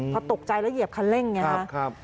พอตกใจแล้วเหยียบคันเร่งไงครับ